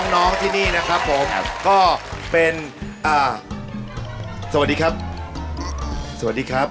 น้องที่นี่นะครับผมก็เป็นสวัสดีครับ